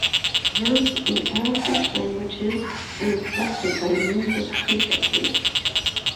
Verbs in Arapesh languages are inflected by means of prefixes.